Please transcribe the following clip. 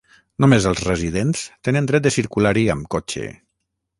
Només els residents tenen dret de circular-hi amb cotxe.